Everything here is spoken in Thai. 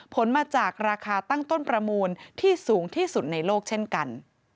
ผลมาจากราคาตั้งต้นประมูลที่สูงที่สุดในโลกเช่นกัน